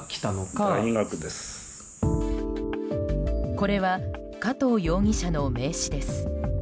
これは加藤容疑者の名刺です。